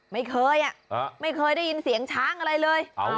ไม่เคยอ่ะไม่เคยได้ยินเสียงช้างอะไรเลย